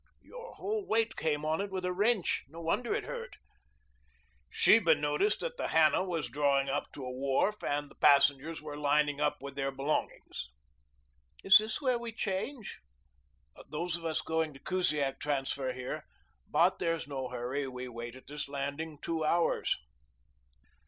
"Your whole weight came on it with a wrench. No wonder it hurt." Sheba noticed that the Hannah was drawing up to a wharf and the passengers were lining up with their belongings. "Is this where we change?" "Those of us going to Kusiak transfer here. But there's no hurry. We wait at this landing two hours."